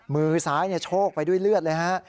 มือซ้ายโชคไปด้วยเลือดเลยฮะ